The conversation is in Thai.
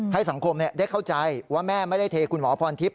ให้สังคมได้เข้าใจว่าแม่ไม่ได้เทคุณหมอพรทิพย